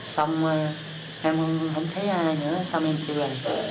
xong em không thấy ai nữa xong em chưa về